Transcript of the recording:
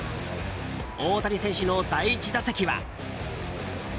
大谷選手の第１打席は。